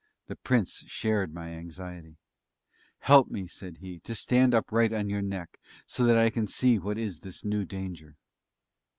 The Prince shared my anxiety. "Help me," said he, "to stand upright on your neck, so that I can see what is this new danger."